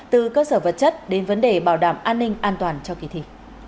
từ cơ sở vật chất đến vấn đề bảo đảm an ninh an toàn cho kỳ thi